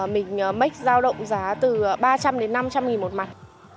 mình mếch giao động giá từ ba trăm linh đến năm trăm linh nghìn một mặt